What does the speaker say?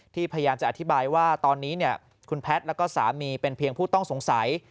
พยายามจะอธิบายว่าตอนนี้คุณแพทย์แล้วก็สามีเป็นเพียงผู้ต้องสงสัย